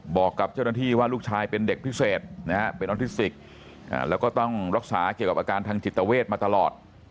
บอกกับเจ้าหน้าที่ว่าลูกชายเป็นเด็กพิเศษนะฮะเป็นออทิสติกแล้วก็ต้องรักษาเกี่ยวกับอาการทางจิตเวทมาตลอด